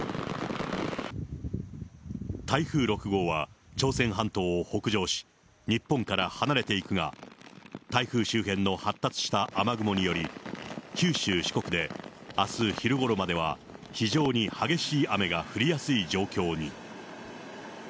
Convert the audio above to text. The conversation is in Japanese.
台風６号は朝鮮半島を北上し、日本から離れていくが、台風周辺の発達した雨雲により、九州、四国であす昼ごろまでは非常に激しい雨が降りやすい状況に。